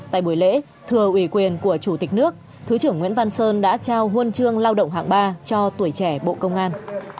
tại buổi lễ thưa ủy quyền của chủ tịch nước thứ trưởng nguyễn văn sơn đã trao huân chương lao động hạng ba cho tuổi trẻ bộ công an